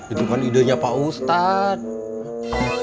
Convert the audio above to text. itu kan idenya pak ustadz